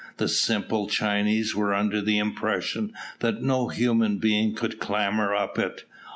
The simple Chinese were under the impression that no human being could clamber up it.